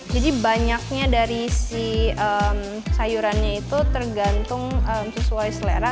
jadi banyaknya dari si sayurannya itu tergantung sesuai selera